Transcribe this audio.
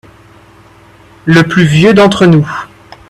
Le plus vieux d’entre nous.